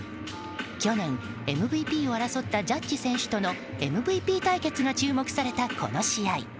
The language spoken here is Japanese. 去年ＭＶＰを争ったジャッジ選手とのＭＶＰ対決が注目されたこの試合。